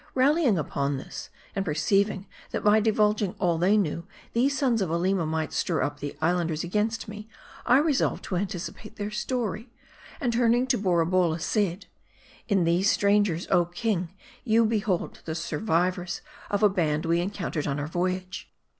Rallying upon this, and perceiving that by divulging all they knew, these sons of Aleema might stir up the Islanders against me, I resolved to anticipate their story ; and, turn ing to Borabolla, said " In these strangers, oh, king ! you behold the survivors of a band we encountered on our voyage.